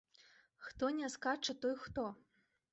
Хто не скача, той хто?